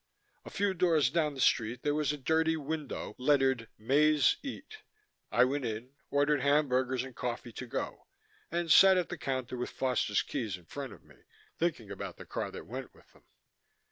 A few doors down the street there was a dirty window lettered MAE'S EAT. I went in, ordered hamburgers and coffee to go, and sat at the counter with Foster's keys in front of me, thinking about the car that went with them.